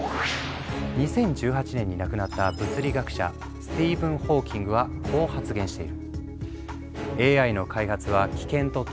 ２０１８年に亡くなった物理学者スティーブン・ホーキングはこう発言している。